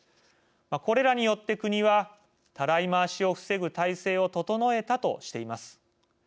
これらによって国はたらい回しを防ぐ体制を整えたとしています。